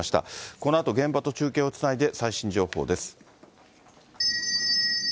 このあと現場と中継をつないで、最新情報です。